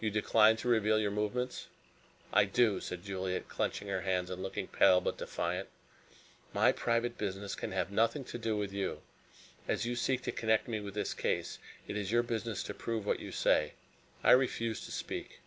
You decline to reveal your movements." "I do," said Juliet, clenching her hands and looking pale but defiant. "My private business can have nothing to do with you. As you seek to connect me with this case, it is your business to prove what you say. I refuse to speak."